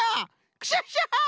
クシャシャシャ！